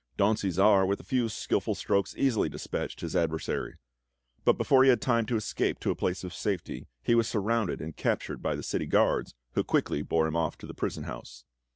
Don Cæsar, with a few skillful strokes, easily despatched his adversary; but before he had time to escape to a place of safety he was surrounded and captured by the city guards, who quickly bore him off to the prison house.